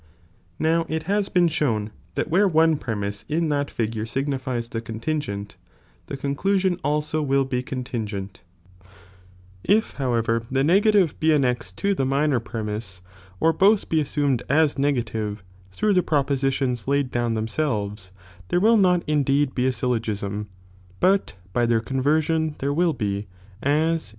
Now it baa been shown that where ] uDe premise in that figure signifies the contingent, the con cluMon also will be contingent ; if however the negative I be annexed lo the minor premise, or both be as sumed as negative, through the propositions laid ^j,e'^'C""^ 1 down thcmaelveB, there will not indeed be a syllo '™ '"°°!P;" | gism, but by their conversion ' there wUl be, as in ginn'ietulii.